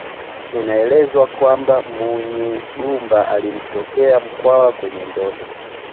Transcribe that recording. Inaelezwa kwamba Munyigumba alimtokea Mkwawa kwenye ndoto